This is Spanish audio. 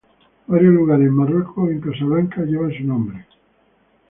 Varios lugares en Marruecos, en Casablanca llevan su nombre.